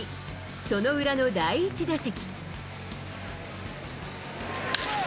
その裏の第１打席。